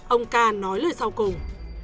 ông k nói lời sau cùng